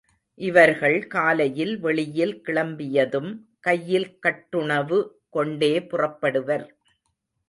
இவர்கள் காலையில் வெளியில் கிளம்பியதும் கையில் கட்டுணவு கொண்டே புறப்படுவர்.